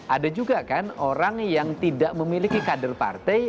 ada juga kan orang yang tidak memiliki kader partai